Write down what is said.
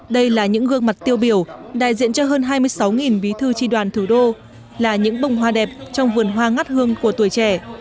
đây là những gương mặt tiêu biểu đại diện cho hơn hai mươi sáu bí thư tri đoàn thủ đô là những bông hoa đẹp trong vườn hoa ngắt hương của tuổi trẻ